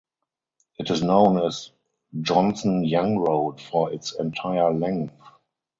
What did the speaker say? It is known as Johnson Young Road for its entire length.